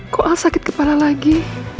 kok sakit kepala lagi